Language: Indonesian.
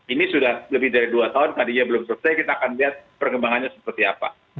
ini sudah lebih dari dua tahun tadinya belum selesai kita akan lihat perkembangannya seperti apa